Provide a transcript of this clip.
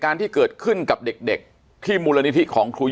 อันดับสุดท้าย